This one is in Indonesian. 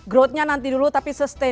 growth nya nanti dulu tapi sustain